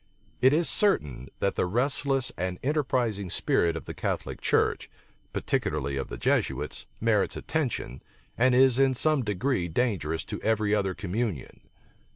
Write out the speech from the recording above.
It is certain, that the restless and enterprising spirit of the Catholic church, particularly of the Jesuits, merits attention, and is in some degree dangerous to every other communion.